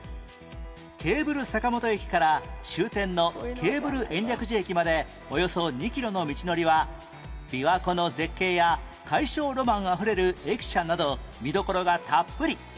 ケーブル坂本駅から終点のケーブル延暦寺駅までおよそ２キロの道のりは琵琶湖の絶景や大正ロマンあふれる駅舎など見どころがたっぷり